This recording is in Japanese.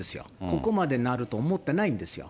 ここまでなると思ってないんですよ。